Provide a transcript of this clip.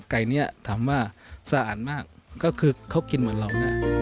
ไก่นี้ถามว่าสะอาดมากก็คือเขากินเหมือนเราเนี่ย